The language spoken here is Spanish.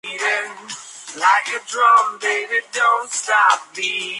Esta tesis fue sostenida más tarde por varios geógrafos árabes.